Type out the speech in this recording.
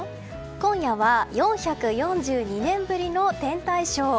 今夜は４４２年ぶりの天体ショー。